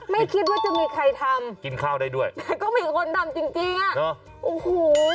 ไม่คิดว่าจะมีใครทำกินข้าวได้ด้วยแต่ก็มีคนทำจริงจริงอ่ะเนอะโอ้โห